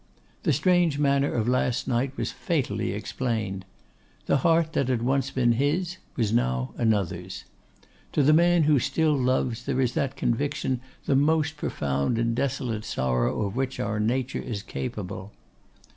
The strange manner of last night was fatally explained. The heart that once had been his was now another's. To the man who still loves there is in that conviction the most profound and desolate sorrow of which our nature is capable.